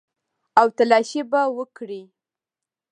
او تلاشي به وکړي.